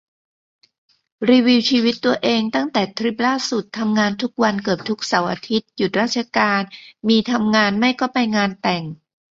รีวิวชีวิตตัวเองตั้งแต่ทริปล่าสุด ทำงานทุกวัน เกือบทุกเสาร์อาทิตย์หยุดราชการ มีทำงานไม่ก็ไปงานแต่ง